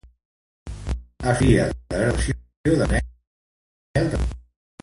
Assoliria la graduació de coronel d'Estat Major.